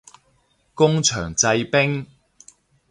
工場製冰